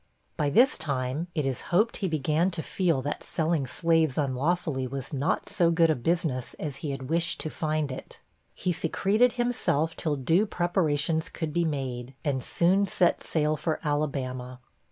By this time, it is hoped he began to feel that selling slaves unlawfully was not so good a business as he had wished to find it. He secreted himself till due preparations could be made, and soon set sail for Alabama.